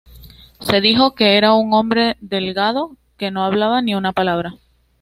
Se dijo que era un hombre delgado, que no hablaba ni una palabra.